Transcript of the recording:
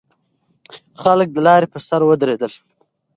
خلک د لارې پر سر ودرېدل.